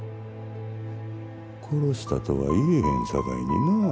殺したとは言えへんさかいになぁ。